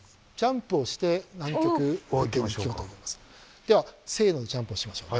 ではせのでジャンプをしましょうね。